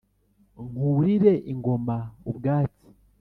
nkurire ingoma ubwatsi